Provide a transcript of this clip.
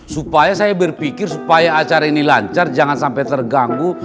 supaya saya berpikir supaya acara ini lancar jangan sampai terganggu